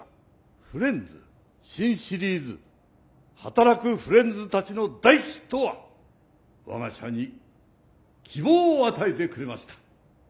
フレンズ新シリーズ「はたらくフレンズたち」の大ヒットは我が社に希望を与えてくれました。